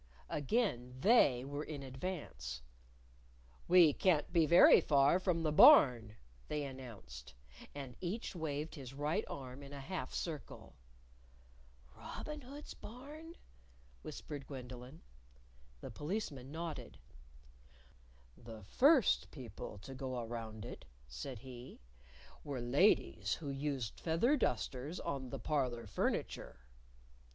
Again They were in advance. "We can't be very far from the Barn," They announced. And each waved his right arm in a half circle. "Robin Hood's Barn?" whispered Gwendolyn. The Policeman nodded. "The first people to go around it," said he, "were ladies who used feather dusters on the parlor furniture."